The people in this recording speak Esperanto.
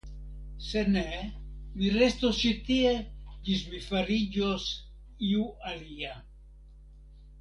Se ne, mi restos ĉi tie, ĝis mi fariĝos iu alia.